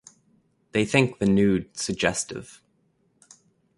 They think the nude suggestive.